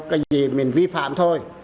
cái gì mình vi phạm thôi